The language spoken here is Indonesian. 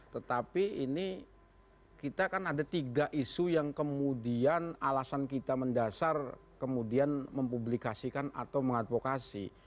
tetapi ini kita kan ada tiga isu yang kemudian alasan kita mendasar kemudian mempublikasikan atau mengadvokasi